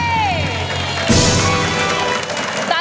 ไม่ใช้